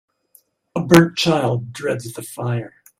A burnt child dreads the fire.